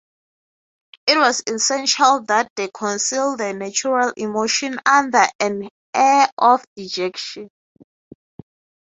It was essential that he conceal the natural emotion under an air of dejection.